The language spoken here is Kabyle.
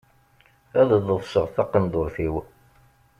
Ad ḍefseɣ taqendurt-iw.